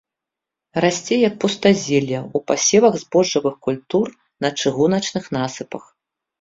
Расце як пустазелле ў пасевах збожжавых культур, на чыгуначных насыпах.